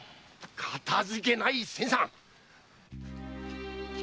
かたじけない新さん！